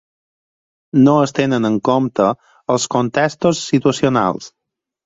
No es tenen en compte els contextos situacionals.